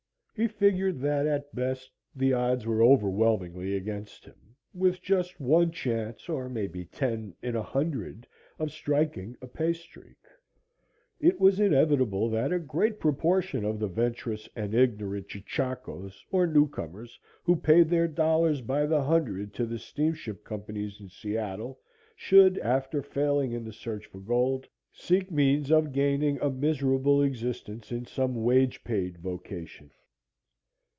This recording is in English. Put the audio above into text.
He figured that at best the odds were overwhelmingly against him, with just one chance, or maybe ten, in a hundred of striking a pay streak. It was inevitable that a great proportion of the venturous and ignorant Chechacos, or newcomers, who paid their dollars by the hundred to the steamship companies in Seattle, should, after failing in the search for gold, seek means of gaining a miserable existence in some wage paid vocation.